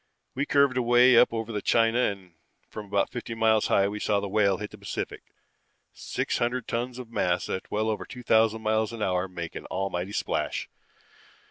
We curved away up over China and from about fifty miles high we saw the Whale hit the Pacific. Six hundred tons of mass at well over two thousand miles an hour make an almighty splash.